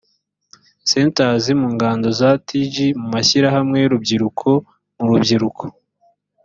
centers mu ngando za tig mu mashyirahamwe y urubyiruko mu rubyiruko